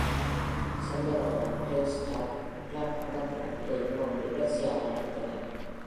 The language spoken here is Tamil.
சென்ற வருஷம் ட்ரேட்ஸ் ஸ்டாப் கிளப் அங்கத்தினர் இதை மிகவும் விமரிசையாக நடித்தனர்.